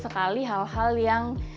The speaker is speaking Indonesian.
sekali hal hal yang